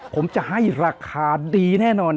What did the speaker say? ผมจะให้ราคาดีแน่นอน